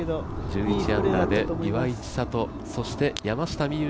１１アンダーで岩井千怜、そして山下美夢